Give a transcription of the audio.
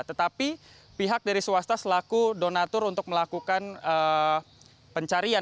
tetapi pihak dari swasta selaku donatur untuk melakukan pencarian